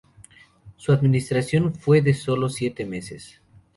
Su administración fue de solo siete meses.